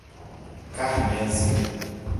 Carmésia